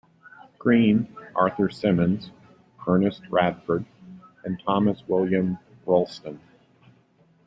Greene, Arthur Symons, Ernest Radford, and Thomas William Rolleston.